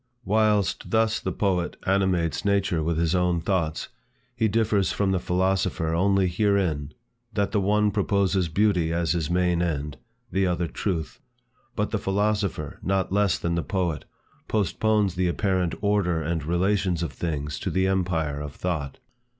Whilst thus the poet animates nature with his own thoughts, he differs from the philosopher only herein, that the one proposes Beauty as his main end; the other Truth. But the philosopher, not less than the poet, postpones the apparent order and relations of things to the empire of thought.